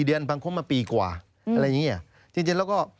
เพราะว่ารายเงินแจ้งไปแล้วเพราะว่านายจ้างครับผมอยากจะกลับบ้านต้องรอค่าเรนอย่างนี้